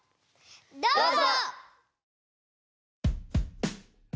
どうぞ！